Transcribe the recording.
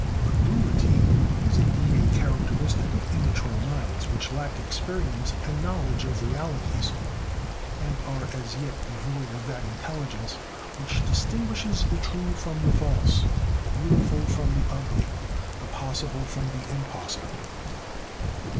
Credulity is, indeed, a characteristic of immature minds which lack experience and knowledge of realities, and are as yet devoid of that intelligence which distinguishes the true from the false, the beautiful from the ugly, the possible from the impossible.